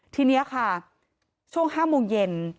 ทีนี้ค่ะช่วง๕โมงเย็น